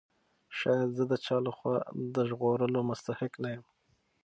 شاید زه د چا له خوا د ژغورلو مستحق نه یم.